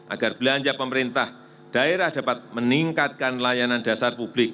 agar belanja pemerintah daerah dapat meningkatkan layanan dasar publik